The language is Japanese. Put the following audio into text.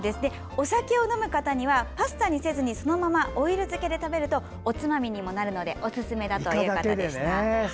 お酒を飲む方にはパスタにせずにそのままオイル漬けで食べるとおつまみにもなるのでおすすめということでした。